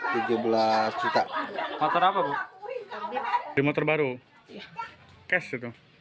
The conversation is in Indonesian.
dari motor baru cash itu